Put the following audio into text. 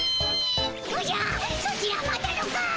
おじゃソチら待たぬか！